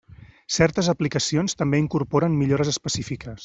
Certes aplicacions també incorporen millores específiques.